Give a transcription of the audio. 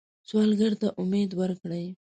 سوالګر ته امید ورکوئ